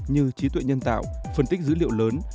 như trí tuệ nhân tạo phân tích dữ liệu lớn